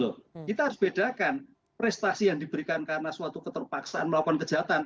loh kita harus bedakan prestasi yang diberikan karena suatu keterpaksaan melakukan kejahatan